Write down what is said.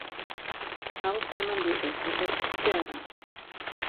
Ahotsa eman diete, eta tristea da.